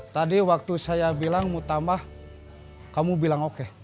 tadi waktu saya bilang mau tambah kamu bilang oke